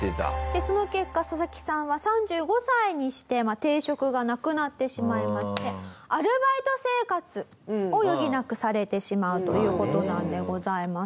でその結果ササキさんは３５歳にして定職がなくなってしまいましてアルバイト生活を余儀なくされてしまうという事なんでございます。